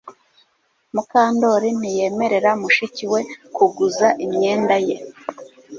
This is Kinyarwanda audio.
Mukandoli ntiyemerera mushiki we kuguza imyenda ye